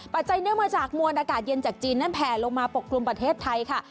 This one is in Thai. จัยเนื่องมาจากมวลอากาศเย็นจากจีนนั้นแผลลงมาปกกลุ่มประเทศไทยค่ะ